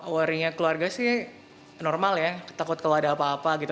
worry nya keluarga sih normal ya takut kalau ada apa apa gitu